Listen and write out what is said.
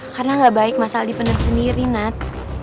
karena gak baik masalah di penerb sendiri nat